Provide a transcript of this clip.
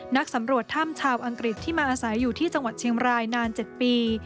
นักสำรวจถ้ำชาวอังกฤษที่มาอาศัยอยู่ที่จังหวัดเชียงรายนาน๗ปี